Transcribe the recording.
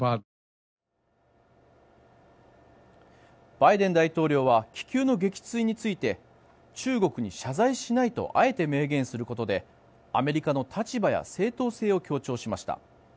バイデン大統領は気球の撃墜について中国に謝罪しないとあえて明言することでアメリカの立場や正当性を強調しました。